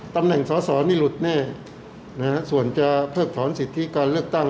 ตำแหน่งสอสอนี่หลุดแน่ส่วนจะเพิกถอนสิทธิการเลือกตั้ง